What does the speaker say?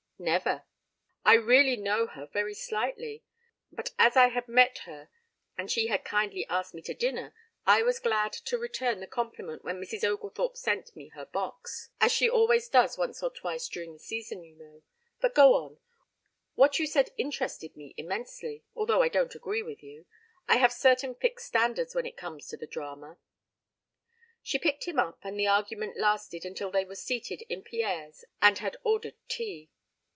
"Never. I really know her very slightly. But as I had met her and she had kindly asked me to dinner, I was glad to return the compliment when Mrs. Oglethorpe sent me her box, as she always does once or twice during the season, you know. But go on. What you said interested me immensely, although I don't agree with you. I have certain fixed standards when it comes to the drama." She picked him up and the argument lasted until they were seated in Pierre's and had ordered tea.